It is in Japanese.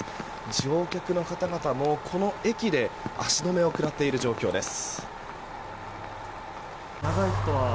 乗客の方々も、この駅で足止めを食らっている状況です。